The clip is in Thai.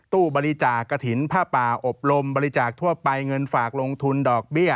ตู้บริจาคกระถิ่นผ้าป่าอบรมบริจาคทั่วไปเงินฝากลงทุนดอกเบี้ย